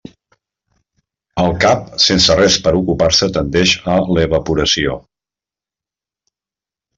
El cap, sense res per a ocupar-se, tendeix a l'evaporació.